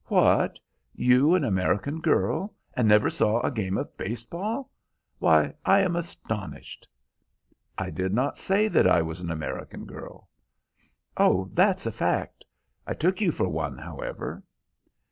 "What! you an American girl, and never saw a game of base ball? Why, I am astonished." "I did not say that I was an American girl." "Oh, that's a fact. I took you for one, however."